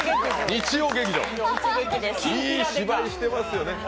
日曜劇場、いい芝居してますよね。